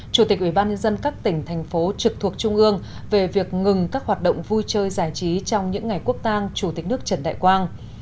chủ tịch ủy ban nhân dân các tỉnh thành phố trực thuộc trung ương về việc ngừng các hoạt động vui chơi giải trí trong những ngày quốc tang chủ tịch nước trần đại quang